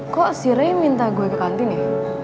kok si ray minta gue ke kantin ya